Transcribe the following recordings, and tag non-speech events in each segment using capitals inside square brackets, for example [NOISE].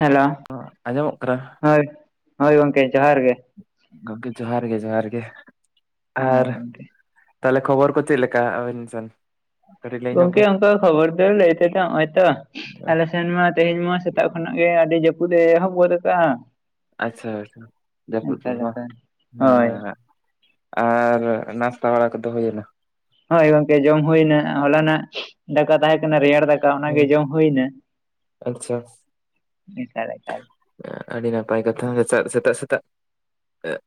Hello ᱟᱸᱡᱚᱢᱚᱜ ᱠᱟᱱᱟ ᱦᱳᱭ, ᱦᱳᱭ ᱜᱚᱢᱠᱮ ᱡᱚᱦᱟᱨ ᱜᱮᱼᱼ ᱜᱚᱝᱠᱮ ᱡᱚᱦᱟᱨ ᱜᱮ ᱡᱚᱦᱟᱨ ᱜᱮ ᱟᱨᱼᱼ ᱦᱳᱭ ᱜᱚᱝᱠᱮ ᱛᱟᱦᱞᱮ ᱠᱷᱚᱵᱚᱨ ᱠᱚ ᱪᱮᱫ ᱞᱮᱠᱟ ᱟᱵᱤᱱ ᱥᱮᱱ? ᱠᱟᱹᱴᱤᱡ ᱞᱟᱹᱭ ᱧᱚᱜ ᱜᱚᱢᱠᱮ ᱵᱮᱱ ᱚᱝᱠᱟ ᱠᱷᱚᱵᱚᱨ ᱫᱚ ᱞᱟᱹᱭ ᱛᱮ ᱫᱚ ᱦᱚᱜ-ᱚᱭ ᱛᱚ ᱟᱞᱮ ᱼᱼ ᱥᱮᱱ ᱢᱟ ᱛᱮᱦᱮᱧ ᱢᱟ ᱥᱮᱛᱟᱜ ᱠᱷᱚᱱᱟᱜ ᱜᱮ ᱟᱹᱰᱤ ᱡᱟᱹᱯᱩᱫ ᱮ ᱮᱦᱚᱵ ᱜᱚᱫ ᱠᱟᱜ-ᱟ᱾ ᱟᱪᱪᱷᱟ ᱟᱪᱪᱷᱟ ᱡᱟᱹᱯᱩᱫ [UNINTELLIGIBLE] ᱵᱟᱝ ᱞᱮᱠᱟ ᱦᱮᱸ ᱦᱳᱭ ᱦᱮᱸᱼᱼ ᱟᱨ ᱱᱟᱥᱛᱟ ᱵᱟᱲᱟ ᱠᱚᱫᱚ ᱦᱩᱭᱮᱱᱟ? ᱦᱳᱭ ᱜᱚᱝᱠᱮ ᱡᱚᱢ ᱦᱩᱭᱮᱱᱟ ᱦᱚᱞᱟᱱᱟᱜ ᱫᱟᱠᱟ ᱛᱟᱦᱮᱸ ᱠᱟᱱᱟ ᱨᱮᱭᱟᱲ ᱫᱟᱠ ᱠᱟ ᱚᱱᱟᱜᱮ ᱦᱮᱸ ᱡᱚᱢ ᱦᱩᱭᱱᱟ ᱾ ᱟᱪᱪᱷᱟ ᱟᱹᱰᱤ ᱱᱟᱯᱟᱭ ᱠᱟᱛᱷᱟ [UNINTELLIGIBLE] ᱥᱮᱛᱟᱜ ᱥᱮᱛᱟᱜ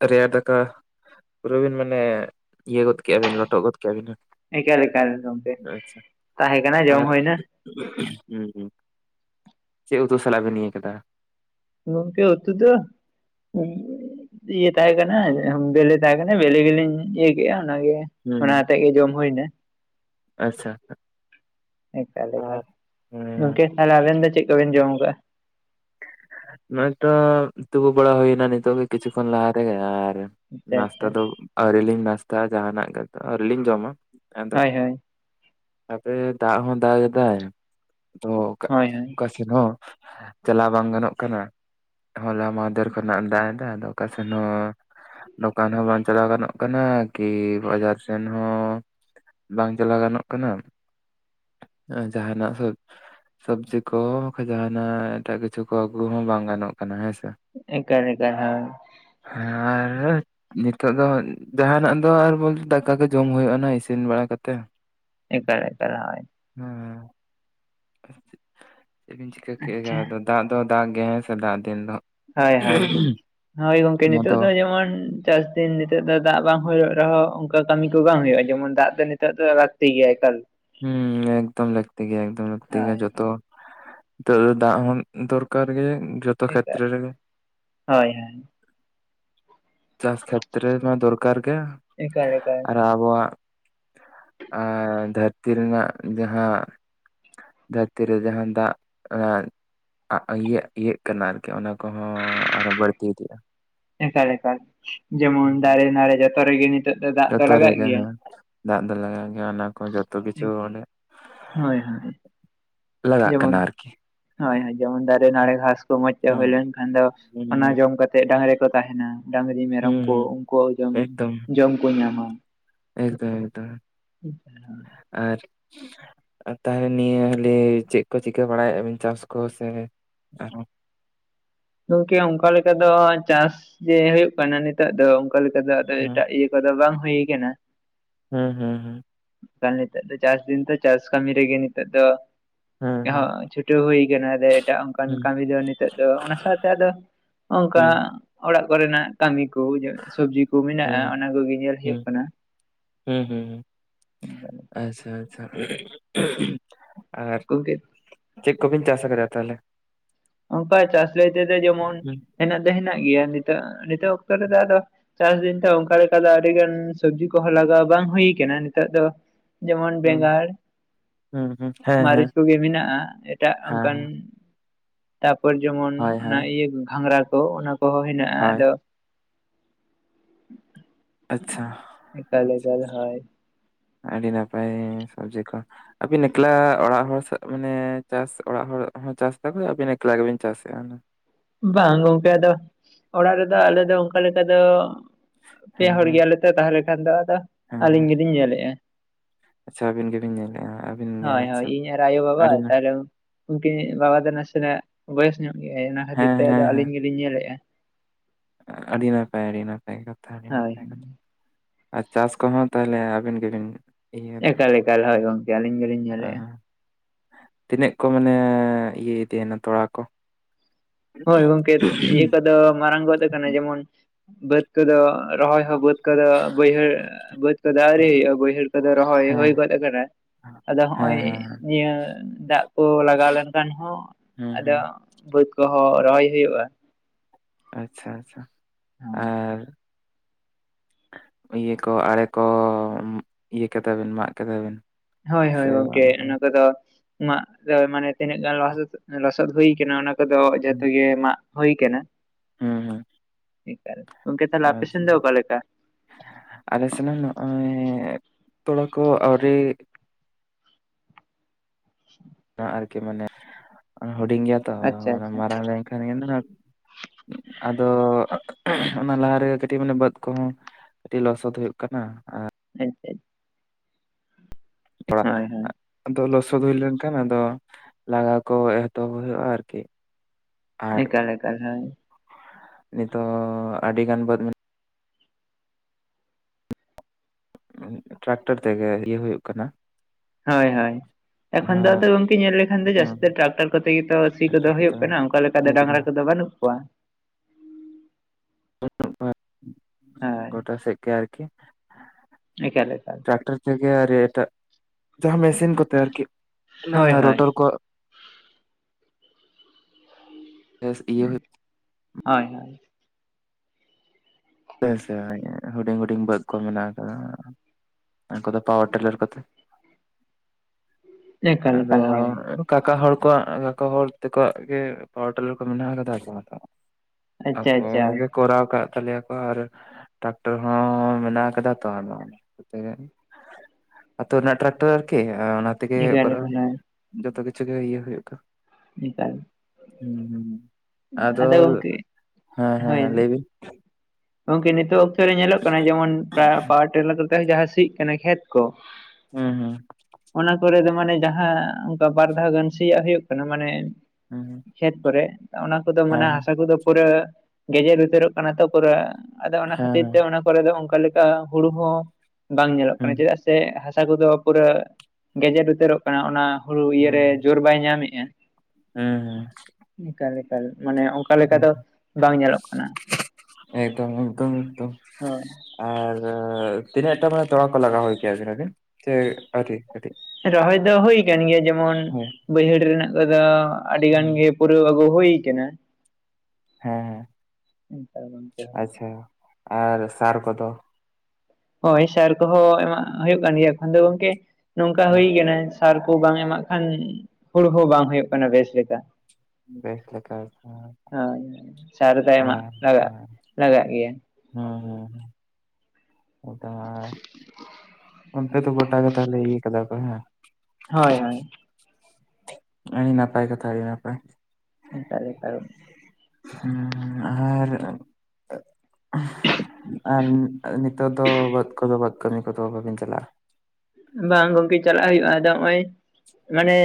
ᱨᱮᱭᱟᱲ ᱫᱟᱠᱟᱼᱼ ᱯᱩᱨᱟᱹ ᱵᱤᱱ ᱢᱟᱱᱮ ᱤᱭᱟᱹ ᱜᱚᱫ ᱠᱮᱫ-ᱟ ᱵᱤᱱ ᱞᱚᱴᱚᱫ ᱜᱚᱫ ᱠᱮᱫᱟᱵᱤᱱ ᱦᱟᱜ᱾ ᱮᱠᱟᱞ ᱮᱠᱟᱞ ᱜᱚᱢᱠᱮ ᱛᱟᱦᱮᱸ ᱠᱟᱱᱟ ᱡᱚᱢ ᱟᱨ ᱦᱩᱭᱮᱱᱟ᱾ [UNINTELLIGIBLE] ᱦᱩᱸ ᱦᱩᱸ ᱪᱮᱫ ᱩᱛᱩ ᱥᱟᱞᱟᱝ ᱵᱤᱱ ᱤᱭᱟᱹ ᱠᱮᱫᱟ? ᱜᱚᱡᱠᱮ ᱩᱛᱩ ᱫᱚᱼᱼ ᱤᱭᱟᱹ ᱛᱟᱦᱮᱸ ᱠᱟᱱᱟ ᱵᱮᱞᱮ ᱛᱟᱦᱮᱸ ᱠᱟᱱᱟ ᱵᱮᱞᱮ ᱜᱮᱞᱤᱧ ᱤᱭᱟᱹ ᱠᱮᱜᱼᱟ ᱚᱱᱟᱜᱮ ᱚᱱᱟ ᱦᱩᱸ ᱟᱛᱮ ᱜᱮ ᱡᱚᱢ ᱦᱩᱭᱱᱟ ᱾ ᱟᱪᱪᱷᱟ ᱮᱠᱟᱞ ᱮᱠᱟᱞ ᱟᱨ ᱦᱮᱸ ᱜᱚᱝᱠᱮ ᱛᱟᱦᱞᱮ ᱟᱵᱮᱱ ᱫᱚ ᱪᱮᱫ ᱠᱚᱵᱮᱱ ᱡᱚᱢ ᱠᱟᱜᱼᱟ? ᱱᱚᱜᱼᱚᱭ ᱛᱚ ᱛᱩᱯᱩ ᱵᱟᱲᱟ ᱦᱩᱭᱱᱟ ᱱᱤᱛᱚᱜ ᱜᱮ ᱠᱤᱪᱷᱩ ᱠᱷᱚᱱ ᱞᱟᱦᱟ ᱨᱮᱜᱮ ᱟᱨ ᱟᱪᱪᱷᱟ ᱱᱟᱥᱛᱟ ᱟᱪᱪᱷᱟ ᱫᱚ ᱟᱹᱣᱨᱤ ᱞᱤᱧ ᱱᱟᱥᱛᱟᱜᱼᱟ ᱡᱟᱦᱟᱱᱟᱜ [UNINTELLIGIBLE] ᱟᱹᱣᱨᱤ ᱞᱤᱧ ᱡᱚᱢᱟ ᱟᱸᱫᱚ ᱦᱳᱭ ᱦᱳᱭ ᱦᱟᱯᱮ ᱫᱟᱜ ᱦᱚᱸ ᱫᱟᱜ ᱮᱫᱟ ᱛᱚ ᱦᱳᱭ ᱦᱳᱭ [INAUDIBLE] ᱥᱮᱱ ᱦᱚᱸ ᱪᱟᱞᱟᱣ ᱵᱟᱝ ᱜᱟᱱᱚᱜ ᱠᱟᱱᱟ, ᱦᱚᱞᱟ ᱢᱟᱦᱫᱷᱮᱨ ᱠᱷᱚᱱᱟᱜ ᱫᱟᱜ ᱮᱫᱟ ᱟᱫᱚ ᱚᱠᱟ ᱥᱮᱱ ᱦᱚᱸ ᱫᱚᱠᱟᱱ ᱦᱚᱸ ᱵᱟᱝ ᱪᱟᱞᱟᱣ ᱜᱟᱱᱚᱜ ᱠᱟᱱᱟ ᱠᱤ ᱵᱟᱡᱟᱨ ᱥᱮᱱ ᱦᱚᱸ ᱵᱟᱝ ᱪᱟᱞᱟᱣ ᱜᱟᱱᱚᱜ ᱠᱟᱱᱟᱼᱼ ᱡᱟᱦᱟᱱᱟᱜ ᱥᱚᱵ ᱥᱚᱵᱽᱡᱤ ᱠᱚ ᱵᱟᱠᱷᱟᱱ ᱡᱟᱦᱟᱱᱟᱜᱼᱼ ᱮᱴᱟᱜ ᱠᱤᱪᱷᱩ ᱠᱚ ᱟᱹᱜᱩ ᱦᱚᱸ ᱵᱟᱝ ᱜᱟᱱᱚᱜ ᱠᱟᱱᱟ ᱦᱮᱸ ᱥᱮ ᱮᱠᱟᱨ ᱮᱠᱟᱨ ᱦᱳᱭ ᱦᱟᱨ ᱱᱤᱛᱚᱜ ᱫᱚ ᱡᱟᱦᱟᱱᱟᱜ ᱫᱚ ᱟᱨ ᱵᱚᱞᱛᱮ ᱫᱟᱠᱟ ᱜᱮ ᱡᱚᱢ ᱦᱩᱭᱩᱜᱼᱟ ᱱᱟᱜ ᱤᱥᱤᱱ ᱵᱟᱲᱟ ᱠᱟᱛᱮ ᱾ ᱮᱠᱟᱞ ᱮᱠᱟᱞ ᱦᱳᱭ ᱦᱩ ᱪᱮᱫ ᱵᱤᱱ ᱪᱤᱠᱟᱹ ᱠᱮᱫ ᱜᱮ ᱟᱪᱪᱷᱟ ᱟᱫᱚ ᱫᱟᱜ ᱫᱚ ᱫᱟᱜ ᱜᱮᱭᱟᱭ ᱦᱮᱸ ᱥᱮ ᱫᱟᱜ ᱫᱤᱱ ᱫᱚ ᱾ ᱦᱳᱭ ᱦᱳᱭ ᱦᱳᱭ ᱜᱚᱝᱠᱮ ᱱᱤᱛᱚᱜ ᱫᱚ ᱡᱮᱢᱚᱱ ᱪᱟᱥ ᱫᱤᱱ ᱱᱤᱛᱚᱜ ᱫᱚ ᱫᱟᱜ ᱵᱟᱝ ᱦᱳᱭᱳᱜ ᱨᱮᱦᱚᱸ ᱚᱱᱠᱟ ᱠᱟᱹᱢᱤ ᱠᱚ ᱵᱟᱝ ᱦᱩᱭᱩᱜᱼᱟ ᱡᱮᱢᱚᱱ ᱫᱟᱜ ᱫᱚ ᱱᱤᱛᱚᱜ ᱫᱚ ᱞᱟᱹᱠᱛᱤ ᱜᱮᱭᱟ ᱮᱠᱟᱞ ᱾ ᱦᱩᱸ ᱮᱠᱫᱚᱢ ᱞᱟᱹᱠᱛᱤ ᱜᱮᱭᱟ ᱮᱠᱫᱚᱢ ᱞᱟᱹᱠᱛᱤ ᱦᱳᱭ ᱜᱮᱭᱟ ᱡᱚᱛᱚ ᱱᱤᱛᱚᱜ ᱫᱟᱜ ᱦᱚᱸ ᱫᱚᱨᱠᱟᱨ ᱜᱮ ᱡᱚᱛ ᱛᱚ ᱮᱠᱟᱞ ᱠᱷᱮᱛᱨᱮ ᱨᱮᱜᱮ᱾ ᱦᱳᱭ ᱦᱳᱭ ᱪᱟᱥ ᱠᱷᱮᱛ ᱨᱮ [UNINTELLIGIBLE] ᱢᱟ ᱫᱚᱨᱠᱟᱨ ᱜᱮ ᱮᱠᱟᱞ ᱮᱠᱟᱞ ᱟᱨ ᱟᱵᱚᱣᱟᱜ ᱮᱸ ᱫᱷᱟᱹᱨᱛᱤ ᱨᱮᱱᱟᱜ ᱡᱟᱦᱟᱸ ᱫᱷᱟᱨᱛᱤ ᱨᱮ ᱡᱟᱦᱟᱱ ᱫᱟᱜ ᱚᱱᱟ ᱟᱜ ᱤᱭᱟᱹᱜ ᱤᱭᱟᱹᱜ ᱠᱟᱱᱟ ᱟᱨᱠᱤ ᱚᱱᱟ ᱠᱚᱦᱚᱸ ᱟᱨᱚ ᱵᱟᱹᱲᱛᱤ ᱤᱫᱤᱜᱼᱟ ᱾ ᱮᱠᱟᱞ ᱮᱠᱟᱞ ᱡᱮᱢᱚᱱ ᱫᱟᱨᱮ ᱱᱟᱹᱲᱤ ᱡᱚᱛᱚ ᱨᱮᱜᱮ ᱱᱤᱛᱚᱜ ᱫᱚ ᱫᱟᱜ ᱫᱚ ᱡᱚᱛᱚ ᱞᱟᱜᱟᱜ ᱨᱮᱜᱮ ᱜᱮᱭᱟ ᱾ ᱦᱮᱸ ᱫᱟᱜ ᱫᱚ ᱞᱟᱜᱟᱣ ᱜᱮᱭᱟ ᱚᱱᱟ ᱠᱚ ᱡᱚᱛᱚ ᱠᱤᱪᱷᱩ ᱚᱱᱮ ᱦᱳᱭ ᱦᱳᱭ [UNINTELLIGIBLE] ᱞᱟᱜᱟᱜ ᱡᱮᱢᱚᱱ ᱠᱟᱱᱟ ᱟᱨᱠᱤ ᱦᱳᱭ ᱦᱳᱭ ᱡᱮᱢᱚᱱ ᱫᱟᱨᱮ ᱱᱟᱹᱲᱤ ᱜᱷᱟᱥ ᱠᱚ ᱢᱚᱸᱡᱽ ᱛᱮ ᱦᱳᱭ ᱦᱮᱸ ᱞᱮᱱᱠᱷᱟᱱ ᱫᱚ ᱦᱩᱸ ᱚᱱᱟ ᱦᱩᱸ ᱡᱚᱢ ᱠᱟᱛ ᱛᱮᱫ ᱰᱟᱦᱨᱮ ᱠᱚ ᱛᱟᱦᱮᱱᱟ ᱰᱟᱝᱨᱤ ᱢᱮᱨᱚᱢ ᱦᱩᱸ ᱠᱚ ᱦᱩᱸ ᱩᱱᱠᱩ ᱡᱚᱢ ᱡᱚᱢ ᱠᱳ ᱧᱟᱢᱟ ᱮᱠᱴᱟ ᱮᱠᱴᱟ ᱟᱨ ᱟᱨ ᱛᱟᱦᱚᱞᱮ ᱱᱤᱭᱮᱹ ᱦᱚᱞᱮ ᱪᱮᱫ ᱠᱚ ᱪᱤᱠᱟᱹ ᱵᱟᱲᱟᱭᱮᱜᱟᱵᱤᱱ ᱪᱟᱥ ᱠᱚ ᱥᱮ ᱟᱨᱦᱚᱸ ᱜᱚᱝᱠᱮ ᱚᱱᱠᱟ ᱞᱮᱠᱟ ᱫᱚ ᱪᱟᱥ ᱡᱮ ᱦᱩᱭᱩᱜ ᱠᱟᱱᱟ ᱱᱤᱛᱚᱜ ᱫᱚ ᱚᱱᱠᱟ ᱞᱮᱠᱟ ᱫᱚ ᱟᱫᱚ ᱦᱩᱸ ᱮᱴᱟᱜ ᱤᱭᱟᱹ ᱠᱚᱫᱚ ᱵᱟᱝ ᱦᱩᱭ ᱠᱟᱱᱟ ᱦᱮᱸ ᱦᱮᱸ ᱦᱮᱸ ᱛᱟᱦᱞᱮ ᱱᱤᱛᱚᱜ ᱫᱚ ᱪᱟᱥ ᱫᱤᱱ ᱛᱚ ᱪᱟᱥ ᱠᱟᱹᱢᱤ ᱨᱮᱜᱮ ᱱᱤᱛᱚᱜ ᱫᱚ ᱦᱩᱸ ᱦᱩᱸ ᱮᱢᱚᱜ ᱪᱷᱩᱴᱟᱹᱣ ᱦᱩᱭᱩ ᱠᱟᱱᱟ ᱮᱴᱟᱜ ᱚᱱᱠᱟᱱ ᱦᱩᱸ ᱠᱟᱹᱢᱤ ᱫᱚ ᱱᱤᱛᱚᱜ ᱫᱚ ᱟᱪᱪᱷᱟ ᱟᱫᱚ ᱚᱱᱠᱟ ᱦᱩᱸ ᱚᱲᱟᱜ ᱠᱚᱨᱮᱱᱟᱜ ᱠᱟᱹᱢᱤ ᱠᱚ ᱥᱚᱵᱡᱤ ᱠᱚ ᱢᱮᱱᱟᱜᱼᱟ ᱦᱩᱸ ᱚᱱᱟ ᱠᱚᱜᱮ ᱧᱮᱞ ᱦᱩᱸ ᱦᱩᱭᱩᱜ ᱠᱟᱱᱟ ᱦᱩᱸ ᱦᱩᱸ ᱟᱡ ᱪᱷᱟ ᱟᱨ ᱜᱚᱝᱠᱮ ᱪᱮᱫ ᱠᱚᱵᱤᱱ ᱪᱟᱥ ᱟᱠᱟᱫᱟ ᱛᱟᱦᱚᱞᱮ ᱚᱱᱠᱟ ᱪᱟᱥ ᱞᱟᱹᱭ ᱛᱮᱫᱚ ᱡᱮᱢᱚᱱ ᱦᱩᱸ ᱦᱮᱱᱟᱜ ᱫᱚ ᱦᱮᱱᱟᱜ ᱜᱮᱭᱟ ᱱᱤᱛᱚᱜ ᱱᱤᱛᱚᱜ ᱚᱠᱛᱚ ᱨᱮᱫᱚ ᱟᱫᱚ ᱪᱟᱥ ᱫᱤᱱ ᱛᱚ ᱚᱱᱠᱟ ᱞᱮᱠᱟ ᱫᱚ ᱟᱹᱰᱤ ᱜᱟᱱ ᱥᱚᱵᱽᱡᱤ ᱠᱚᱦᱚᱸ ᱞᱟᱜᱟᱣ ᱵᱟᱝ ᱦᱩᱭ ᱠᱟᱱᱟ ᱱᱤᱛᱚᱜ ᱫᱚ ᱡᱮᱢᱚᱱ ᱦᱩᱸ ᱵᱮᱸᱜᱟᱲ ᱦᱩᱸ ᱦᱩᱸ ᱦᱮᱸ ᱦᱮᱸ ᱢᱟᱹᱨᱤᱪ ᱠᱚᱜᱮ ᱢᱮᱱᱟᱜᱼᱟ ᱮᱴᱟᱜ ᱚᱱᱠᱟᱱ ᱦᱮᱸ ᱛᱟᱯᱚᱨ ᱡᱮᱢᱚᱱ ᱦᱳᱭ ᱚᱱᱟ ᱦᱳᱭ ᱤᱭᱟᱹ ᱜᱷᱟᱸᱜᱽᱨᱟ ᱠᱚ ᱚᱱᱟ ᱠᱚᱦᱚᱸ ᱦᱮᱱᱟᱜᱼᱟ ᱦᱳᱭ ᱟᱫᱚ ᱟᱪᱪᱷᱟ ᱟᱪᱪᱷᱟ ᱮᱠᱟᱞ ᱮᱠᱟᱞ ᱟᱪᱪᱷᱟ ᱦᱳᱭ ᱟᱹᱰᱤ ᱱᱟᱯᱟᱭ ᱥᱚᱵᱡᱮ ᱠᱚ। ᱟᱹᱵᱤᱱ ᱮᱠᱞᱟ ᱚᱲᱟᱜ ᱦᱚᱲ ᱥᱮ ᱢᱟᱱᱮ ᱪᱟᱥ ᱚᱲᱟᱜ ᱦᱚᱲ ᱦᱚᱸ ᱪᱟᱥ ᱫᱟᱠᱚ ᱟᱹᱵᱤᱱ ᱮᱠᱞᱟ ᱜᱮᱵᱤᱱ ᱪᱟᱥᱮᱫᱼᱟ? ᱵᱟᱝ ᱜᱚᱝᱠᱮ ᱟᱫᱚ ᱚᱲᱟᱜ ᱨᱮᱫᱚ ᱟᱞᱮ ᱫᱚ ᱚᱱᱠᱟ ᱞᱮᱠᱟ ᱫᱚ ᱯᱮ ᱦᱮᱸ ᱦᱚᱲ ᱦᱮᱸ ᱜᱮᱭᱟᱞᱮ। ᱛᱟᱦᱟᱞᱮ ᱠᱷᱟᱱ ᱫᱚ ᱟᱫᱚ ᱦᱮᱸ ᱟᱹᱞᱤᱧ ᱦᱮᱸ ᱜᱮᱞᱤᱧ ᱧᱮᱞᱮᱜᱼᱟ। ᱟᱪᱪᱷᱟ ᱟᱹᱵᱤᱱ ᱜᱮᱵᱤᱱ ᱧᱮᱞᱮᱜᱼᱟ ᱟᱹᱵᱤᱱ ᱜᱮ ᱦᱳᱭ ᱦᱳᱭ ᱟᱪᱪᱷᱟ ᱤᱧ ᱟᱨ ᱟᱭᱳ ᱵᱟᱵᱟ ᱟᱹᱰᱤ ᱱᱟ ᱩᱱᱠᱤᱱ ᱵᱟᱵᱟ ᱫᱚ ᱱᱟᱥᱮᱱᱟᱜ ᱵᱚᱭᱮᱥ ᱧᱚᱜ ᱜᱮᱭᱟᱭ ᱱᱷᱟᱜ। ᱦᱮᱸ ᱦᱮᱸ ᱦᱮᱸ ᱞᱤᱧ ᱧᱮᱞᱮᱜᱼᱟ। ᱟᱹᱰᱤ ᱱᱟᱯᱟᱭ ᱟᱹᱰᱤ ᱱᱟᱯᱟᱭ ᱠᱟᱛᱷᱟ᱾ ᱦᱳᱭ ᱪᱟᱥ ᱠᱚᱦᱚᱸ ᱛᱟᱦᱟᱞᱮ ᱟᱹᱵᱤᱱ ᱜᱮᱵᱤᱱ ᱼᱼ ᱮᱠᱟᱞ ᱮᱠᱟᱞ ᱦᱳᱭ ᱜᱚᱝᱠᱮ ᱟᱹᱞᱤᱧ ᱜᱮᱞᱤᱧ ᱧᱮᱞᱮᱜᱼᱟ। ᱛᱤᱱᱟᱹᱜ ᱠᱚ ᱢᱟᱱᱮ ᱤᱭᱟᱹ ᱤᱫᱤᱭᱮᱱᱟ ᱛᱚᱲᱟ ᱠᱚ? ᱦᱳᱭ ᱜᱚᱝᱠᱮ ᱤᱭᱟᱹ ᱠᱚᱫᱚ ᱢᱟᱨᱟᱝ ᱜᱚᱛ ᱠᱟᱱᱟ᱾ ᱡᱮᱢᱚᱱ ᱵᱟᱹᱫᱽ ᱠᱚᱫᱚ ᱨᱚᱦᱚᱭ ᱦᱚᱸ ᱵᱟᱹᱫᱽ ᱠᱚᱫᱚ ᱵᱟᱹᱭᱦᱟᱹᱲ ᱵᱟᱹᱫᱽ ᱠᱚᱫᱚ ᱟᱣᱨᱤ ᱦᱮᱸ ᱦᱮᱸ ᱦᱩᱭᱩᱜᱼᱟ᱾ ᱟᱫᱚ ᱦᱚᱸᱜᱚᱭ ᱦᱮᱸ ᱱᱤᱭᱟᱹ ᱫᱟᱜ ᱠᱚ ᱞᱟᱜᱟᱣ ᱞᱮᱱᱠᱷᱟᱱ ᱦᱚᱸ ᱦᱩᱸ ᱟᱫᱚ ᱦᱩᱸ ᱵᱟᱹᱫᱽ ᱠᱚᱦᱚᱸ ᱨᱚᱦᱚᱭ ᱦᱩᱭᱩᱜᱼᱟ। ᱟᱪᱪᱷᱟ ᱟᱪᱪᱷᱟ ᱦᱳᱭ ᱟᱨ ᱼᱼ ᱤᱭᱟᱹ ᱠᱚ ᱟᱲᱮ ᱠᱚ ᱤᱭᱟᱹ ᱠᱮᱫᱟ ᱵᱤᱱ ᱦᱳᱭ ᱥᱮ ᱦᱳᱭ ᱜᱚᱢᱠᱮ ᱠᱚ ᱚᱱᱟ ᱠᱚᱫᱚ ᱢᱟᱜ ᱫᱚ ᱢᱟᱱᱮ ᱛᱤᱱᱟᱹᱜ ᱜᱟᱱ ᱞᱚᱥᱚᱫ ᱦᱩᱭ ᱟᱠᱟᱱᱟ ᱟᱯᱮ ᱫᱚ ᱦᱩᱸ ᱡᱷᱚᱛᱚ ᱜᱮ ᱢᱟᱜ ᱦᱩᱭ ᱠᱟᱱᱟ। ᱦᱩᱸ ᱚᱱᱛᱮ ᱛᱟᱦᱟᱞᱮ ᱟᱯᱮ ᱟᱪᱪᱷᱟ ᱥᱮᱱ ᱫᱚ ᱚᱠᱟ ᱞᱮᱠᱟ? ᱟᱞᱮ ᱥᱮᱱ ᱦᱚᱸ ᱱᱚᱜᱼᱚᱭ ᱛᱚᱲᱟ ᱠᱚ ᱟᱣᱨᱤ ᱼᱼ [INAUDIBLE] ᱦᱟᱸᱟᱨᱠᱤ ᱢᱟᱱᱮ ᱦᱩᱰᱤᱧ ᱜᱮᱭᱟ ᱛᱚ। ᱟᱫᱚ ᱟᱪᱪᱷᱟ ᱚᱱᱟ ᱢᱟᱨᱟᱝ ᱞᱮᱱᱠᱷᱟᱱ ᱜᱮᱱᱷᱟᱜ ᱼᱼ ᱟᱫᱚ ᱚᱱᱟ ᱞᱟᱦᱟ ᱨᱮᱜᱮ ᱠᱟᱹᱴᱤᱡ ᱢᱟᱱᱮ ᱵᱟᱹᱫᱽ ᱠᱚᱦᱚᱸ ᱼᱼ ᱟᱹᱰᱤ ᱞᱚᱥᱚᱫ ᱦᱩᱭᱩᱜ ᱠᱟᱱᱟ ᱟᱨ ᱼᱼ ᱟᱪᱪᱷᱟ [INAUDIBLE] ᱛᱚᱲᱟ ᱦᱳᱭ ᱦᱳᱭ ᱟᱫᱚ ᱞᱚᱥᱚᱫ ᱦᱩᱭ ᱞᱮᱱᱠᱷᱟᱱ ᱟᱫᱚ ᱞᱟᱜᱟᱣ ᱠᱚ ᱮᱛᱚᱦᱚᱵ ᱦᱩᱭᱩᱜᱼᱟ ᱟᱨᱠᱤ। ᱟᱨ ᱮᱠᱟᱞ ᱮᱠᱟᱞ ᱦᱳᱭ। ᱱᱤᱛᱚᱜ ᱟᱹᱰᱤᱜᱟᱱ ᱵᱟᱹᱫᱽ ᱴᱨᱟᱠᱴᱚᱨ ᱛᱮᱜᱮ ᱤᱭᱟᱹ ᱦᱩᱭᱩᱜ ᱠᱟᱱᱟ। ᱦᱳᱭ ᱦᱳᱭ ᱚᱱᱟ ᱮᱠᱷᱚᱱ ᱫᱚ ᱟ ᱜᱚᱝᱠᱮ ᱧᱮᱞ ᱞᱮᱠᱷᱟᱱ ᱫᱚ ᱡᱟᱹᱥᱛᱤ ᱦᱮᱸ ᱴᱨᱟᱠᱴᱟᱨ ᱠᱚᱛᱮ ᱜᱮᱛᱚ ᱥᱤ ᱠᱚᱫᱚ ᱴᱨᱟᱠᱴᱟᱨ ᱦᱩᱭᱩᱜ ᱠᱚᱛᱮ ᱠᱟᱱᱟ᱾ ᱚᱱᱠᱟ ᱞᱮᱠᱟ ᱫᱚ ᱰᱟᱝᱨᱟ ᱮᱠᱫᱚᱢ। ᱼᱼ ᱠᱚᱫᱚ ᱵᱟᱹᱱᱩᱜ ᱠᱚᱣᱟ। ᱵᱟᱱᱩᱜ ᱠᱚᱭᱟ ᱦᱳᱭ ᱜᱳᱴᱟ ᱥᱮᱫ ᱜᱮ ᱟᱨᱠᱤ। ᱮᱠᱟᱞ ᱮᱠᱟᱞ। ᱴᱨᱟᱠᱴᱟᱨ ᱛᱮᱜᱮ ᱟᱨ ᱮᱴᱟᱜ ᱡᱟᱦᱟᱸ ᱢᱮᱥᱤᱱ ᱠᱚᱛᱮ ᱟᱨᱠᱤ᱾ ᱚᱱᱟ ᱦᱳᱭ ᱦᱳᱭ ᱨᱚᱴᱚᱨ ᱠᱚ ᱼᱼ ᱮᱥ [UNINTELLIGIBLE] ᱤᱭᱟᱹ ᱦᱩᱭᱩᱜ ᱼᱼ ᱦᱳᱭ ᱦᱳᱭ ᱦᱮᱸᱥᱮ ᱦᱩᱰᱤᱧ ᱦᱩᱰᱤᱧ ᱵᱟᱹᱫᱽ ᱠᱚ ᱢᱮᱱᱟᱜ ᱟᱠᱟᱫᱟ। ᱚᱱᱟ ᱠᱚᱫᱚ ᱯᱟᱣᱟᱨ ᱴᱮᱞᱟᱨ ᱠᱚᱛᱮ᱾ ᱮᱠᱟᱞ ᱟᱫᱚ ᱮᱠᱟᱞ ᱦᱳᱭ ᱼᱼ ᱠᱟᱠᱟ ᱦᱚᱲ ᱠᱚᱣᱟᱜ ᱠᱟᱠᱟ ᱦᱚᱲ ᱛᱮᱟᱠᱚᱣᱟᱜ ᱜᱮ ᱯᱟᱣᱟᱨ ᱴᱮᱞᱟᱨ ᱠᱚ ᱢᱮᱱᱟᱜ ᱟᱠᱟᱫᱟ ᱛᱚ᱾ ᱟᱠ ᱟᱪᱪᱷᱟ ᱠᱚ ᱟᱪᱪᱷᱟ ᱦᱳᱭ ᱜᱮ ᱠᱚᱨᱟᱣ ᱠᱟᱜ ᱛᱟᱞᱮᱭᱟᱠᱚ। ᱟᱨ ᱴᱟᱠᱴᱚᱨ ᱦᱚᱸ ᱢᱮᱱᱟᱜ ᱠᱟᱫᱟ ᱛᱚ ᱟᱫᱚ ᱚᱱᱟ ᱛᱮᱜᱮ ᱼᱼ ᱟᱹᱛᱩ ᱨᱮᱱᱟᱜ ᱴᱨᱟᱠᱴᱟᱨ ᱟᱨᱠᱤ ᱚᱱᱟ ᱛᱮᱜᱮ ᱮᱠᱟᱞ ᱠᱚᱨᱟᱣ ᱮᱠᱟᱞ ᱦᱩᱭᱩᱜ ᱦᱳᱭ ᱠᱟᱱᱟ᱾ ᱡᱚᱛᱚ ᱠᱤᱪᱷᱩ ᱜᱮ ᱤᱭᱟᱹ ᱦᱩᱭᱩᱜ ᱠᱟᱱᱟ। ᱱᱤᱠᱟᱹᱱ [INAUDIBLE] ᱦᱩᱸ ᱦᱩᱸ ᱟᱫᱚ ᱜᱚᱝᱠᱮ ᱦᱮᱸ ᱦᱳᱭ ᱦᱮᱸ ᱞᱟᱹᱭ ᱵᱤᱱ ᱾ ᱜᱚᱝᱠᱮ ᱱᱤᱛᱚᱜ ᱚᱠᱛᱚ ᱨᱮ ᱧᱮᱞᱚᱜ ᱠᱟᱱᱟ ᱡᱮᱢᱚᱱ ᱯᱟᱣᱟᱨ ᱴᱮᱞᱟᱨ ᱠᱟᱛᱮ ᱦᱚᱸ ᱡᱟᱦᱟᱸ ᱥᱤᱜ ᱠᱟᱱᱟ ᱠᱷᱮᱛ ᱦᱩᱸ ᱦᱩᱸ [UNINTELLIGIBLE] ᱚᱱᱟ ᱠᱚᱨᱮ ᱫᱚ ᱢᱟᱱᱮ ᱡᱟᱦᱟᱸ ᱚᱱᱠᱟ ᱵᱟᱨ ᱫᱷᱟᱹᱣ ᱜᱟᱱ ᱥᱤᱭᱟᱜ ᱦᱩᱭᱩᱜ ᱠᱟᱱᱟ ᱢᱟᱱᱮ ᱦᱩᱸ ᱠᱷᱮᱛ ᱠᱚᱨᱮ ᱚᱱᱟ ᱠᱚᱫᱚ ᱦᱮᱸ ᱢᱟᱱᱮ ᱦᱮᱸ ᱦᱟᱥᱟ ᱠᱚᱫᱚ ᱯᱩᱨᱟᱹ ᱜᱮᱡᱮᱨ ᱩᱛᱟᱹᱨᱚᱜ ᱠᱟᱱᱟ ᱛᱚ ᱠᱚ ᱟᱫᱚ ᱚᱱᱟ ᱦᱮᱸ ᱠᱷᱟᱹᱛᱤᱨ ᱛᱮ ᱚᱱᱟ ᱠᱚᱨᱮ ᱫᱚ ᱚᱱᱠᱟ ᱞᱮᱠᱟ ᱦᱩᱲᱩ ᱦᱚᱸ ᱵᱟᱝ ᱧᱮᱞᱚᱜ ᱠᱟᱱᱟ ᱦᱮᱸ ᱪᱮᱫᱟᱜ ᱥᱮ ᱦᱟᱥᱟ ᱠᱚᱫᱚ ᱯᱩᱨᱟᱹ ᱜᱮᱡᱮᱨ ᱩᱛᱟᱹᱨᱚᱜ ᱠᱟᱱᱟ ᱾ ᱠᱟᱱᱟ ᱚᱱᱟ ᱦᱩᱲᱩ ᱤᱭᱟᱹᱨᱮ ᱡᱳᱨ ᱵᱟᱭ ᱧᱟᱢᱮᱫᱼᱟ ᱾ ᱦᱩᱸ ᱦᱩᱸ ᱮᱠᱟᱞ ᱮᱠᱟᱞ ᱢᱟᱱᱮ ᱚᱱᱠᱟ ᱞᱮᱠᱟ ᱦᱩᱸ ᱫᱚ ᱵᱟᱝ ᱧᱮᱞᱚᱜ ᱠᱟᱱᱟ ᱾ ᱮᱠᱫᱚᱢ ᱮᱠᱫᱚᱢ ᱮᱠᱫᱚᱢ। ᱦᱳᱭ ᱟᱨ ᱛᱤᱱᱟᱹᱜᱴᱟ ᱢᱟᱱᱮ ᱛᱚᱲᱟ ᱠᱚ ᱞᱟᱜᱟᱣ ᱦᱩᱭ ᱠᱮᱭᱟᱤᱱ ᱟᱵᱤᱱ? ᱥᱮ ᱟᱣᱨᱤ ᱠᱟᱹᱴᱤᱡ ᱼᱼ ᱨᱚᱦᱚᱭ ᱫᱚ ᱦᱩᱭ ᱠᱟᱱ ᱜᱮᱭᱟ᱾ ᱡᱮᱢᱚᱱ ᱵᱟᱹᱭᱦᱟᱹᱲ ᱨᱮᱱᱟᱜ ᱠᱚᱫᱚ ᱟᱹᱰᱤ ᱜᱟᱱ ᱦᱮᱸ ᱜᱮ᱾ ᱯᱩᱨᱟᱹ ᱟᱜᱩ ᱦᱩᱭ ᱠᱟᱱᱟ ᱾ ᱦᱮᱸ ᱦᱮᱸ ᱟᱪᱪᱷᱟ ᱟᱨ ᱥᱟᱨ ᱠᱚᱫᱚ ᱦᱳᱭ ᱥᱟᱨ ᱠᱚᱦᱚᱸ ᱮᱢᱟᱜ ᱦᱩᱭᱩᱜ ᱠᱟᱱ ᱜᱮᱭᱟ ᱮᱠᱷᱚᱱ ᱫᱚ ᱜᱚᱝᱠᱮ ᱱᱚᱝᱠᱟ ᱦᱩᱭ ᱠᱟᱱᱟ ᱾ ᱥᱟᱨ ᱠᱚ ᱵᱟᱝ ᱮᱢᱟᱜ ᱠᱷᱟᱱ ᱦᱩᱲᱩ ᱦᱚᱸ ᱵᱟᱝ ᱦᱩᱭᱩᱜ ᱠᱟᱱᱟ ᱵᱮᱥ ᱞᱮᱠᱟ ᱾ ᱵᱮᱥ ᱞᱮᱠᱟ ᱟᱨ ᱦᱳᱭ ᱥᱟᱨ ᱫᱚ ᱮᱢᱟ ᱞᱟᱜᱟᱜ ᱞᱟᱜᱟᱜ ᱜᱮᱭᱟ ᱾ ᱦᱮᱸ ᱦᱮᱸ ᱾ ᱜᱚᱴᱟ ᱛᱚ ᱜᱚᱴᱟᱜ ᱜᱮ ᱛᱟᱦᱚᱞᱮ ᱤᱭᱮ ᱠᱟᱫᱟ ᱠᱚ ᱦᱮᱸ ᱦᱳᱭ ᱦᱳᱭ ᱟᱹᱰᱤ ᱱᱟᱯᱟᱭ ᱠᱟᱛᱷᱟ ᱜᱮ ᱱᱟᱯᱟᱭ ᱴᱟᱨᱮ [UNINTELLIGIBLE] ᱠᱟᱨᱚᱱ ᱦᱩᱸ ᱟᱨ ᱟᱨ ᱱᱤᱛᱚᱜ ᱫᱚ ᱵᱟᱹᱫᱽ ᱠᱚᱫᱚ ᱵᱟᱹᱫᱽ ᱠᱟᱹᱢᱤ ᱠᱚᱫᱚ ᱵᱟᱹᱵᱤᱱ ᱪᱟᱞᱟᱜᱼᱟ ᱾ ᱵᱟᱝ ᱜᱚᱝᱠᱮ ᱪᱟᱞᱟᱜ ᱦᱩᱭᱩᱜᱼᱟ ᱟᱫᱚ ᱱᱚᱜᱼᱚᱭ ᱢᱟᱱᱮ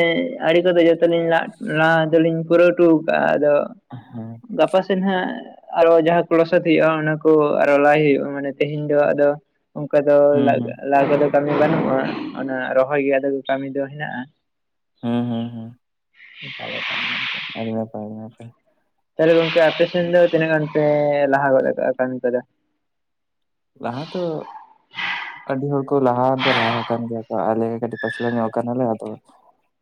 ᱟᱲᱮ ᱠᱚᱫᱚ ᱡᱚᱛᱚ ᱞᱤᱧ ᱞ ᱫᱚᱞᱤᱧ ᱯᱩᱨᱟᱹᱣ ᱦᱚᱴᱚ ᱟᱠᱟᱜᱼᱟ ᱟᱫᱚ ᱦᱮᱸ ᱜᱟᱯᱟ ᱥᱮᱫ ᱦᱟᱸᱜ ᱟᱨᱚ ᱡᱟᱦᱟᱸ ᱠᱚ ᱞᱚᱥᱚᱫ ᱦᱩᱭᱩᱜᱼᱟ ᱚᱱᱟ ᱠᱚ ᱟᱨᱚ ᱞᱟᱭ ᱦᱩᱭᱩᱜᱼᱟ ᱢᱟᱱᱮ ᱛᱮᱦᱮᱧ ᱫᱚ ᱟᱫᱚ ᱚᱱᱠᱟ ᱫᱚ ᱦᱩᱸ ᱞᱟ ᱦᱩᱸ ᱞᱟᱜ ᱫᱚ ᱠᱟᱹᱢᱤ ᱵᱟᱹᱱᱩᱜ ᱾ ᱚᱱᱟ ᱨᱚᱦᱚᱭ ᱜᱮ ᱟᱫᱚ ᱠᱟᱹᱢᱤ ᱫᱚ ᱦᱮᱱᱟᱜᱼᱟ ᱾ ᱦᱩᱸ ᱦᱩᱸ ᱦᱩᱸ [INAUDIBLE] ᱟᱹᱰᱤ ᱱᱟᱯᱟᱭ ᱜᱚᱝᱠᱮ ᱛᱟᱦᱚᱞᱮ ᱜᱚᱝᱠᱮ ᱟᱯᱮ ᱥᱮᱱ ᱫᱚ ᱛᱤᱱᱟᱹᱜ ᱜᱟᱱ ᱯᱮ ᱞᱟᱦᱟ ᱜᱚᱫ ᱠᱟᱜ ᱠᱟᱹᱢᱤ ᱠᱚᱫᱚ? ᱞᱟᱦᱟ ᱛᱚ ᱟᱹᱰᱤ ᱦᱚᱲ ᱠᱚ ᱞᱟᱦᱟ ᱫᱚ ᱞᱟᱦᱟ ᱟᱠᱟᱱ ᱜᱮᱭᱟ ᱠᱚ ᱟᱞᱮ ᱠᱟᱹᱴᱤᱡ ᱯᱟᱪᱞᱟᱹ ᱧᱚᱜ ᱠᱟᱱᱟᱞᱮ ᱟᱫᱚ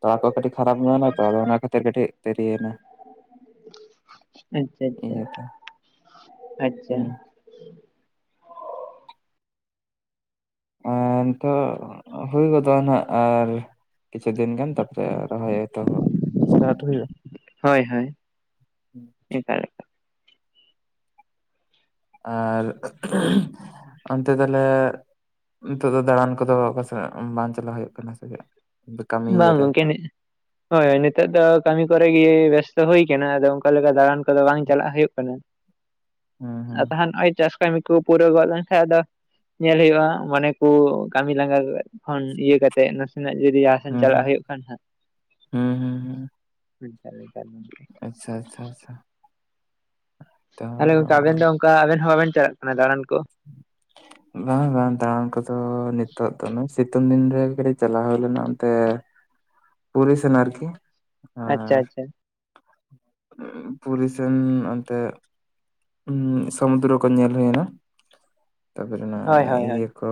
ᱛᱚᱲᱟ ᱠᱚ ᱠᱟᱹᱴᱤᱡ ᱠᱷᱟᱨᱟᱯ ᱮᱱᱟ ᱛᱚ ᱚᱱᱟ ᱠᱷᱟᱹᱛᱤᱨ ᱠᱟᱹᱴᱤᱡ ᱫᱮᱨᱤᱭᱮᱱᱟ ᱾ ᱟᱪᱪᱷᱟ ᱟᱪᱪᱷᱟ ᱟᱪᱪᱷᱟ ᱾ ᱦᱩᱸ ᱟᱨ ᱱᱤᱛᱚᱜ ᱦᱩᱭ ᱜᱚᱫᱚᱜᱼᱟ ᱱᱟᱜ ᱟᱨ ᱠᱤᱪᱷᱩ ᱫᱤᱱ ᱜᱟᱱ ᱛᱟᱯᱚᱨᱮ ᱨᱚᱦᱚᱭ ᱮᱛᱚᱦᱚᱵ ᱥᱴᱟᱨᱴ ᱦᱩᱭᱩᱜᱼᱟ ᱾ ᱦᱳᱭ ᱦᱳᱭ ᱮᱠᱟᱞ ᱮᱠᱟᱞ ᱟᱨ ᱚᱱᱛᱮ ᱛᱟᱦᱚᱞᱮ ᱱᱤᱛᱚᱜ ᱫᱚ ᱫᱟᱬᱟᱱ ᱠᱚᱫᱚ [UNINTELLIGIBLE] ᱵᱟᱝ ᱪᱟᱞᱟᱣ ᱦᱩᱭᱩᱜ ᱠᱟᱱᱟ ᱥᱮ ᱪᱮᱫ ᱠᱟᱹᱢᱤ ᱵᱟᱝ ᱤᱭᱟᱹᱨᱮ ᱜᱚᱝᱠᱮ ᱦᱳᱭ ᱱᱤᱛᱚᱜ ᱫᱚ ᱠᱟᱹᱢᱤ ᱠᱚᱨᱮ ᱜᱮ ᱵᱮᱥᱛᱚ ᱦᱩᱭ ᱟᱠᱟᱱᱟ ᱟᱫᱚ ᱚᱱᱠᱟ ᱞᱮᱠᱟ ᱫᱟᱬᱟᱱ ᱠᱚᱫᱚ ᱵᱟᱝ ᱪᱟᱞᱟᱜ ᱦᱩᱭᱩᱜ ᱠᱟᱱᱟ ᱦᱩᱸ ᱟᱨ ᱦᱩᱸ ᱛᱟᱦᱮᱱ ᱱᱚᱜᱼᱚᱭ ᱪᱟᱥ ᱠᱟᱹᱢᱤ ᱠᱩ ᱯᱩᱨᱟᱹ ᱯᱩᱨᱟᱣ ᱜᱚᱫ ᱞᱮᱱᱠᱷᱟᱡ ᱟᱫᱚ ᱧᱮᱞ ᱦᱩᱭᱩᱜᱼᱟ ᱢᱚᱱᱮ ᱠᱚ ᱠᱟᱹᱢᱤ ᱞᱟᱸᱜᱟ ᱠᱷᱚᱱ ᱤᱭᱟᱹ ᱠᱟᱛᱮ ᱱᱟᱥᱮ ᱱᱟᱜ ᱡᱩᱫᱤ ᱤᱭᱟ ᱦᱩᱸ ᱪᱟᱞᱟᱜ ᱦᱩᱸ ᱦᱩᱭᱩᱜ ᱠᱷᱟᱱ ᱦᱟᱸᱜ ᱦᱩᱸ ᱦᱩᱸ ᱦᱩᱸ ᱟᱪᱪᱷᱟ ᱟᱪᱷᱟ ᱟᱪᱷᱟ᱾ ᱛᱟᱦᱚᱞᱮ ᱜᱚᱢᱠᱮ ᱟᱵᱮᱱ ᱫᱚ ᱚᱱᱠᱟ ᱟᱵᱮᱱ ᱦᱚᱸ ᱵᱟᱵᱮᱱ ᱪᱟᱞᱟᱜ ᱠᱟᱱᱟ ᱫᱟᱬᱟᱱ ᱠᱚ? ᱵᱟᱝ ᱵᱟᱝ ᱫᱟᱬᱟᱱ ᱠᱚᱫᱚ ᱱᱤᱛᱚᱜ ᱫᱚ ᱥᱤᱛᱩᱝ ᱫᱤᱱ ᱨᱮ ᱠᱟᱹᱴᱤᱡ ᱪᱟᱞᱟᱣ ᱦᱩᱭ ᱞᱮᱱᱟ ᱚᱱᱛᱮ ᱯᱩᱨᱤ ᱥᱮᱱ ᱟᱨᱠᱤ ᱟᱪᱪᱷᱟ ᱟᱨ ᱟᱪᱪᱷᱟ ᱯᱩᱨᱤ ᱥᱮᱱ ᱚᱱᱛᱮ ᱦᱞᱩᱸ ᱥᱚᱢᱩᱫᱫᱨᱚ ᱠᱚ ᱧᱮᱞ ᱦᱩᱭᱱᱟ, ᱛᱟᱯᱚᱨᱮ ᱚᱱᱟ ᱦᱳᱭ ᱦᱳᱭ ᱦᱳᱭ ᱤᱭᱟᱹ ᱠᱚ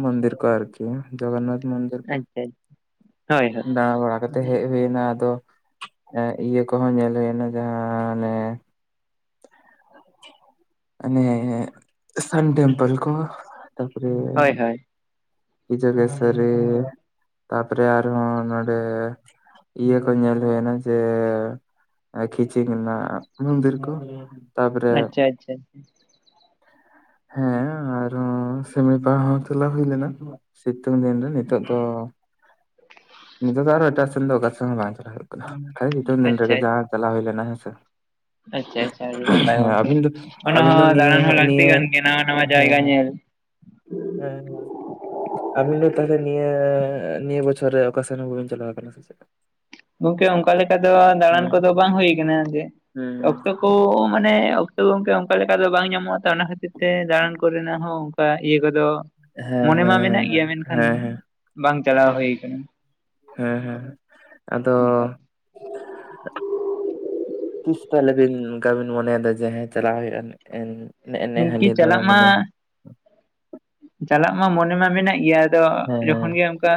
ᱢᱚᱱᱫᱤᱨ ᱠᱚ ᱟᱨᱠᱤ ᱡᱚᱜᱚᱱᱱᱟᱛᱷ ᱢᱚᱱᱫᱤᱨ ᱠᱚ, ᱟᱪᱪᱷᱟ ᱦᱳᱭ ᱦᱳᱭ ᱫᱟᱲᱟ ᱵᱟᱲᱟ ᱠᱟᱛᱮ ᱦᱮᱡ ᱦᱩᱭ ᱮᱱᱟ ᱟᱫᱚ, ᱮᱸᱜ ᱤᱭᱟᱹ ᱠᱚᱦᱚᱸ ᱧᱮᱞ ᱦᱩᱭᱱᱟ ᱡᱟᱦᱟᱸ ᱚᱱᱮ ᱟᱱᱮ ᱟᱱᱮ ᱥᱟᱱ ᱴᱮᱢᱯᱮᱞ ᱠᱚ ᱛᱟᱨᱯᱚᱨᱮ ᱦᱳᱭ ᱦᱳᱭ [UNINTELLIGIBLE] ᱛᱟᱯᱚᱨᱮ ᱟᱨᱦᱚᱸ ᱱᱚᱰᱮ ᱤᱭᱟᱹ ᱠᱚ ᱧᱮᱞ ᱦᱩᱭᱱᱟ, ᱡᱮ ᱟᱨ ᱠᱷᱤᱪᱤ ᱚᱱᱟ ᱢᱩᱱᱫᱤᱨ ᱠᱚ ᱛᱟᱯᱚᱨᱮ ᱟᱪᱪᱷᱟ ᱟᱪᱪᱷᱟ ᱦᱮᱸ ᱟᱨᱚ ᱥᱮᱢᱞᱤᱯᱟᱞ ᱦᱚᱸ ᱪᱟᱞᱟᱣ ᱦᱩᱭ ᱞᱮᱱᱟ ᱾ ᱥᱤᱛᱩᱝ ᱫᱤᱱ ᱨᱮ ᱱᱤᱛᱚᱜ ᱫᱚ ᱱᱤᱛᱚᱜ ᱫᱚ ᱟᱨᱦᱚ ᱮᱴᱟᱜ ᱥᱮᱱ ᱫᱚ ᱚᱠᱟ ᱥᱚᱱ ᱦᱚᱸ ᱵᱟᱝ ᱪᱟᱞᱟᱣ ᱦᱩᱭᱩᱜ ᱠᱟᱱᱟ, [INAUDIBLE] ᱱᱤᱛᱚᱝ ᱫᱚ ᱟᱪᱪᱷᱟ ᱡᱟᱦᱟᱸ ᱪᱟᱞᱟᱣ ᱦᱩᱭ ᱞᱮᱱᱟ ᱦᱮᱸᱥᱮ ᱟᱪᱪᱷᱟ ᱪᱷᱟ ᱟᱹᱰᱤ ᱱᱟᱯᱟᱭ ᱦᱮᱸ ᱜᱚᱝᱠᱮ, ᱟᱹᱵᱤᱱ ᱫᱚ ᱚᱱᱟ ᱟᱹᱵᱤᱱ ᱫᱚ ᱦᱚᱸ ᱫᱟᱬᱟᱱ ᱦᱚᱸ ᱱᱤᱭᱟᱹ ᱞᱟᱹᱠᱛᱤ ᱱᱤᱭᱟᱹ ᱠᱟᱱ ᱜᱮᱭᱟ ᱱᱟᱣᱟ ᱱᱟᱣᱟ ᱦᱮᱸ ᱡᱟᱭᱜᱟ ᱦᱮᱸ ᱧᱮᱞ ᱦᱮᱸ᱾ ᱟᱵᱤᱱ ᱫᱚ ᱛᱟᱦᱚᱞᱮ ᱱᱤᱭᱟᱹ ᱱᱤᱭᱟᱹ ᱵᱚᱪᱷᱚᱨ ᱨᱮ ᱚᱠᱟ ᱥᱮᱱ ᱦᱚᱸ ᱵᱟᱵᱤᱱ ᱪᱟᱞᱟᱣ ᱠᱟᱱᱟ ᱥᱮ ᱪᱮᱫ? ᱜᱚᱝᱠᱮ ᱚᱱᱠᱟ ᱞᱮᱠᱟ ᱫᱚ ᱫᱟᱬᱟᱱ ᱦᱮᱸ ᱠᱚᱫᱚ ᱵᱟᱝ ᱦᱩᱭ ᱠᱟᱱᱟ ᱡᱮ ᱦᱮᱸ ᱚᱠᱛᱚ ᱠᱚ ᱢᱟᱱᱮ ᱚᱠᱛᱚ ᱜᱚᱝᱠᱮ ᱚᱱᱠᱟ ᱞᱮᱠᱟ ᱫᱚ ᱵᱟᱝ ᱧᱟᱢᱚᱜᱼᱟ ᱛᱚ ᱚᱱᱟ ᱠᱷᱟᱹᱛᱤᱨ ᱛᱮ ᱫᱟᱬᱟᱱ ᱠᱚᱨᱮᱱᱟᱜ ᱦᱚᱸ ᱚᱱᱠᱟ ᱤᱭᱟᱹ ᱠᱚᱫᱚ ᱢᱚᱱᱮ ᱢᱟ ᱢᱮᱱᱟᱜ ᱦᱮᱸ ᱜᱮᱭᱟ, ᱢᱮᱱᱠᱷᱟᱱ ᱦᱮᱸ ᱦᱮᱸ ᱵᱟᱝ ᱪᱟᱞᱟᱣ ᱦᱩᱭ ᱠᱟᱱᱟ᱾ ᱦᱮᱸ ᱦᱮᱸ ᱟᱫᱚ ᱚᱱᱠᱟ ᱛᱤᱥ ᱛᱟᱞᱮᱵᱤᱱ ᱚᱱᱠᱟ ᱵᱤᱱ ᱢᱚᱱᱮᱭᱮᱫᱟ ᱡᱮ ᱦᱮᱸ ᱪᱟᱞᱟᱣ ᱦᱩᱭᱩᱜᱼᱟ, ᱮᱱᱮ ᱱᱮᱜ ᱠᱤ ᱦᱟᱹᱞᱤ ᱫᱚ ᱪᱟᱞᱟᱜ ᱢᱟ ᱢᱟᱱᱮ ᱪᱟᱞᱟᱜ ᱢᱟ ᱢᱚᱱᱮ ᱢᱟ ᱢᱮᱱᱟᱜ ᱜᱮᱭᱟ, ᱟᱫᱚ ᱦᱮᱸ ᱡᱚᱠᱷᱚᱱ ᱜᱮ ᱚᱱᱠᱟ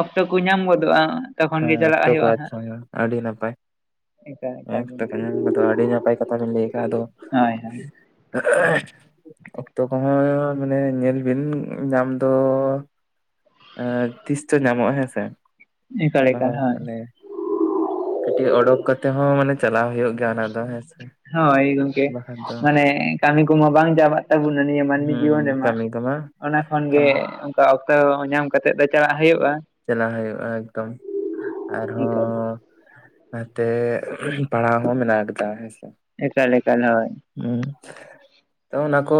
ᱚᱠᱛᱚ ᱠᱚ ᱧᱟᱢ ᱜᱚᱫᱚᱜᱼᱟ ᱛᱚᱠᱷᱚᱱ ᱜᱮ ᱦᱮᱸ ᱪᱟᱞᱟᱜ ᱚᱠᱛᱚ ᱠᱚ ᱦᱩᱭᱩᱜᱼᱟ ᱦᱟᱸᱜ ᱟᱪᱪᱷᱟ ᱟᱹᱰᱤ ᱱᱟᱯᱟᱭ᱾ ᱮᱠᱟᱞ ᱮᱠᱟᱞ ᱚᱠᱛᱚ ᱠᱚ ᱜᱚᱢᱠᱮ ᱧᱟᱢᱟ ᱚᱱᱟᱫᱚ ᱟᱹᱰᱤ ᱱᱟᱯᱟᱭ ᱠᱟᱛᱷᱟ ᱵᱤᱱ ᱞᱟᱹᱭ ᱠᱟᱜᱼᱟ᱾ ᱟᱫᱚ ᱦᱳᱭ ᱦᱳᱭ [INAUDIBLE] ᱚᱠᱛᱚ ᱠᱚᱦᱚᱸ ᱢᱟᱱᱮ ᱧᱮᱞ ᱵᱤᱱ ᱧᱟᱢ ᱫᱚ ᱮᱸ ᱛᱤᱥᱪᱚ ᱧᱟᱢᱚᱜᱼᱟ ᱦᱮᱸᱥᱮ, ᱮᱠᱟᱞ ᱚᱱᱟ ᱮᱠᱟᱞ ᱦᱚᱸ ᱦᱳᱭ ᱢᱟᱱᱮ ᱠᱟᱹᱴᱤᱡ ᱚᱰᱳᱠ ᱠᱟᱛᱮᱜ ᱦᱚᱸ ᱢᱟᱱᱮ ᱪᱟᱞᱟᱣ ᱦᱩᱭᱩᱜ ᱜᱮᱭᱟ ᱚᱱᱟ ᱫᱚ ᱦᱮᱸᱥᱮ᱾ ᱦᱳᱭ ᱜᱚᱝᱠᱮ ᱵᱟᱠᱷᱟᱱ ᱫᱚ ᱢᱟᱱᱮ ᱠᱟᱹᱢᱤ ᱠᱚᱢᱟ ᱵᱟᱝ ᱪᱟᱵᱟᱜ ᱛᱟᱵᱚᱱᱟ ᱱᱤᱭᱟᱹ ᱢᱟᱹᱱᱢᱤ ᱦᱩᱸ ᱡᱤᱭᱚᱱ ᱨᱮᱢᱟ᱾ ᱠᱟᱹᱢᱤ ᱠᱚᱢᱟ ᱚᱱᱟ ᱠᱷᱚᱱ ᱜᱮ ᱠᱟᱹᱢᱤ ᱚᱱᱠᱟ ᱚᱠᱛᱚ ᱧᱟᱢ ᱠᱟᱛᱮᱫ ᱫᱚ ᱪᱟᱞᱟᱜ ᱦᱩᱭᱩᱜᱼᱟ᱾ ᱪᱟᱞᱟᱣ ᱦᱩᱭᱩᱜᱼᱟ ᱮᱠᱫᱚᱢ, ᱮᱠᱟᱞ ᱟᱨᱦᱚᱸ ᱱᱟᱛᱮ ᱯᱟᱲᱦᱟᱣ ᱦᱚᱸ ᱢᱮᱱᱟᱜ ᱠᱟᱫᱟ ᱦᱮᱸᱥᱮ᱾ ᱮᱠᱟᱞ ᱮᱠᱟᱞ ᱦᱳᱭ᱾ [UNINTELLIGIBLE] ᱦᱩᱸ ᱛᱟ ᱚᱱᱟᱠᱚ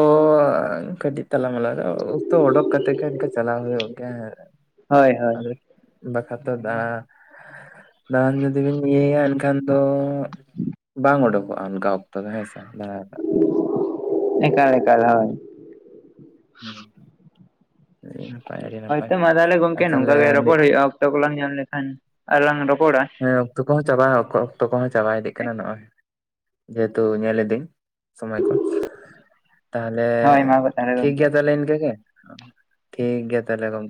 ᱠᱟᱹᱴᱤᱛ ᱛᱟᱞᱟ ᱢᱟᱞᱟ ᱚᱠᱛᱚ ᱚᱸᱰᱚᱠ ᱠᱟᱛᱮ ᱜᱮ ᱪᱟᱞᱟᱣ ᱦᱩᱭᱩᱜ ᱜᱮᱭᱟ, ᱦᱳᱭ ᱟᱹ ᱦᱳᱭ ᱵᱟᱠᱷᱟᱡ ᱫᱚ ᱫᱟ ᱵᱟᱝ ᱱᱡᱩᱫᱤ ᱵᱮᱤᱱ ᱤᱭᱟᱹᱭᱟ ᱮᱱᱠᱷᱟᱱ ᱫᱚ, ᱵᱟᱝ ᱩᱰᱩᱠᱚᱜᱼᱟ ᱚᱱᱠᱟ ᱚᱠᱛᱚ ᱫᱚ ᱦᱮᱸᱥᱮ᱾ [INAUDIBLE] ᱮᱠᱟᱞ ᱮᱠᱟᱞ ᱦᱮᱸ᱾ ᱦᱩᱸ᱾ ᱟᱹᱰᱤ ᱱᱟᱯᱟᱭ ᱟᱹᱰᱤ ᱱᱟᱯᱟᱭ ᱦᱮᱸᱛᱚ ᱢᱟ ᱛᱟᱦᱞᱮ ᱜᱚᱢᱠᱮ ᱟᱨ ᱱᱚᱝᱠᱟ ᱛᱟᱦᱚᱞᱮ ᱜᱮ ᱨᱚᱯᱚᱲ ᱦᱩᱭᱩᱜᱼᱟ, ᱚᱠᱛᱚ ᱠᱚᱞᱟᱝ ᱧᱟᱢ ᱞᱮᱠᱷᱟᱱ ᱟᱨᱦᱚᱸ ᱞᱟᱝ ᱨᱚᱯᱚᱲᱟ᱾ ᱦᱮᱸ ᱚᱠᱛᱚ ᱠᱚᱦᱚᱸ ᱪᱟᱵᱟ ᱚᱠᱚ ᱚᱛᱚ ᱠᱚᱚᱸ ᱪᱟᱵᱟ ᱤᱫᱜ ᱠᱟᱱᱟ ᱱᱚᱜᱼᱚᱭ᱾ ᱡᱮᱦᱮᱛᱩ ᱧᱮᱞ ᱮᱫᱤᱧ ᱥᱚᱢᱚᱭ ᱠᱚ᱾ ᱛᱟᱦᱞᱮ ᱦᱳᱭ ᱢᱟ ᱛᱟᱦᱚᱞᱮ ᱴᱷᱤᱠ ᱜᱚᱝᱠᱮ ᱜᱮᱭᱟ ᱛᱟᱦᱞᱮ ᱤᱱᱠᱟᱹ ᱜᱮ, ᱴᱷᱤᱠ ᱜᱮᱭᱟ ᱛᱟᱦᱞᱮ ᱜᱚᱝᱠᱮ᱾